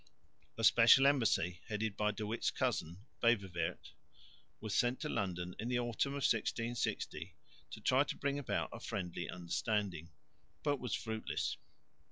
A special embassy, headed by De Witt's cousin, Beverweert, was sent to London in the autumn of 1660 to try to bring about a friendly understanding, but was fruitless.